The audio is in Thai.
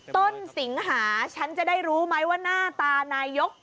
สิงหาฉันจะได้รู้ไหมว่าหน้าตานายก